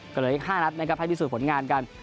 ก็เดินอีก๕นัดนะครับให้มีสูตรผลงานกัน